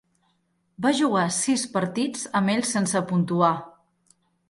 Va jugar sis partits amb ells sense puntuar.